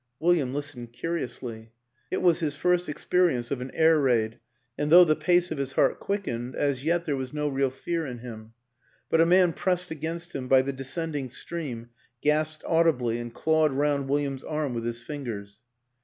... William listened curiously; it was his first experience of an air raid, and though the pace of his heart quickened, as yet there was no real fear in him; but a man pressed against him by the descending stream gasped audibly and clawed round William's arm with his fingers.